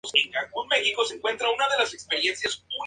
Las copias se vendieron se vendieron rápidamente en sus conciertos.